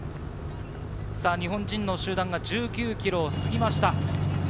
日本人の集団が１９ｋｍを過ぎました。